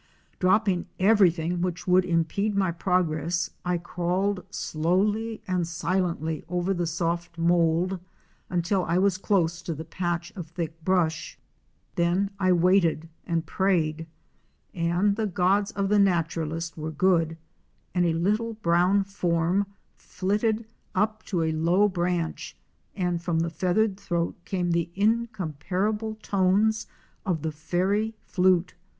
Dropping everything which would impede my progress, I crawled slowly and silently over the soft mould until I was close to the patch of thick brush. Then I waited and prayed, and the gods of the Naturalist were good, and a little brown form flitted up to a low branch and from the feathered throat came the incomparable tones of the fairy flute.